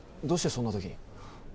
どうしてそんな時に？